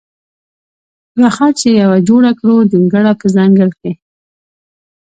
راخه چی یوه جوړه کړو جونګړه په ځنګل کی.